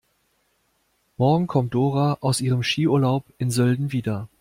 Morgen kommt Dora aus ihrem Skiurlaub in Sölden wieder.